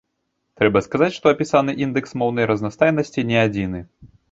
Трэба сказаць, што апісаны індэкс моўнай разнастайнасці не адзіны.